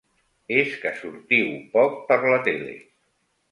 És que sortiu poc per la tele.